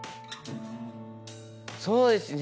そうですね